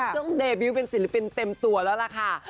ต้องเดบิวเป็นศิลปินเต็มตัวแล้วล่ะค่ะ